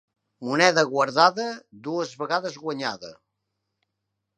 Moneda guardada, dues vegades guanyada.